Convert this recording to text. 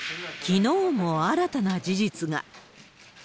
きのうも、新たな事実が。